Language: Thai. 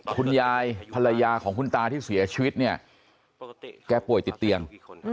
ภรรยาภรรยาของคุณตาที่เสียชีวิตเนี่ยแกป่วยติดเตียง